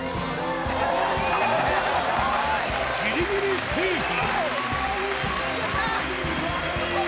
ギリギリセーフ